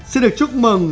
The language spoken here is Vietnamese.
xin được chúc mừng